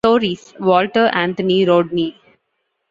Stories: Walter Anthony Rodney.